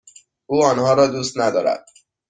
او آنها را دوست ندارد.